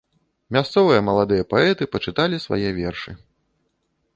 Мясцовыя маладыя паэты пачыталі свае вершы.